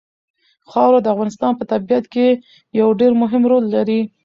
خاوره د افغانستان په طبیعت کې یو ډېر مهم رول لري.